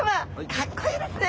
かっこいいですね！